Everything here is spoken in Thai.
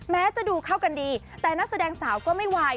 แม้จะดูเข้ากันดีแต่นักแสดงสาวก็ไม่ไหว